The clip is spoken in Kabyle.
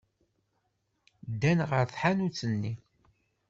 Ddan ɣer tḥanut-nni.